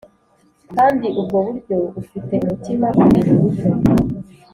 kandi ubwo buryo ufite umutima kubintu bito